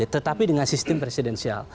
tetapi dengan sistem presidensial